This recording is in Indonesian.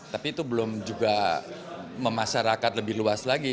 tapi itu belum juga memasyarakat lebih luas lagi